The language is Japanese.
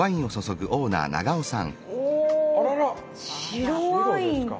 白ワインか。